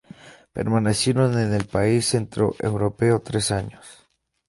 Permanecieron en el país centroeuropeo tres años.